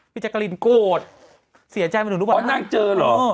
พี่แจ๊กกะลินโกรธเสียใจไม่ถึงรู้ป่ะนะโอ้นั่งเจอเหรอ